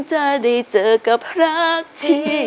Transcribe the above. เจอกับฉันและรักเรา